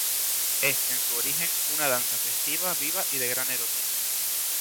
Es en su origen una danza festiva, viva y de gran erotismo.